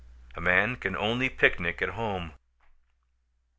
A man can only picnic at home.